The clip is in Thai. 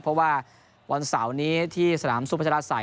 เพราะว่าวันเสาร์นี้ที่สนามสู้ประชาติใส่